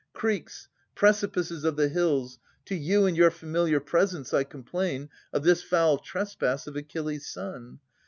Creeks, precipices of the hills, to you And your familiar presence I complain Of this foul trespass of Achilles' son.